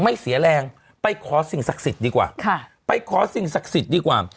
ไม่เสียแรงไปขอสิ่งศักดิ์สิทธิ์ดีกว่าค่ะไปขอสิ่งศักดิ์สิทธิ์ดีกว่า